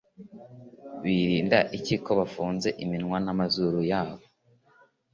Birinda iki ko bafutse iminwa namazuru yabo?